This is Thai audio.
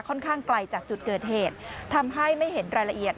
ข้างไกลจากจุดเกิดเหตุทำให้ไม่เห็นรายละเอียด